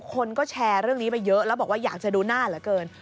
คนก็แชร์เรื่องนี้ไปเยอะแล้วบอกว่าอยากจะดูหน้าเหลือเกิน